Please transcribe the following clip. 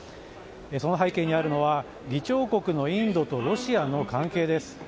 その背景にあるのは議長国のインドとロシアの関係です。